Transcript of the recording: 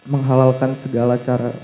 menghalalkan segala cara